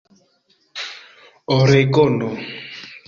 oregono